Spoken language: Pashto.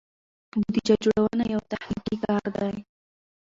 بودیجه جوړونه یو تخنیکي کار دی.